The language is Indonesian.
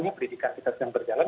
ini pendidikan kita sedang berjalan